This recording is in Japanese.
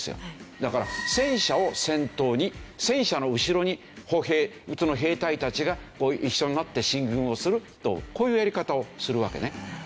だから戦車を先頭に戦車の後ろに歩兵兵隊たちが一緒になって進軍をするとこういうやり方をするわけね。